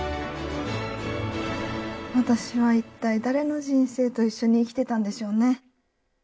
私は一体誰の人生と一緒に生きてたんでしょうね。